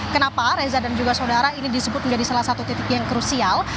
kenapa reza dan juga saudara ini disebut menjadi salah satu titik yang krusial